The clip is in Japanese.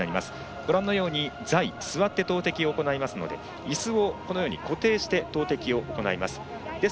ご覧のように座位座って投てきを行いますのでいすを固定して投てきを行います。